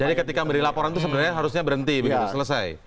jadi ketika beri laporan itu sebenarnya harusnya berhenti selesai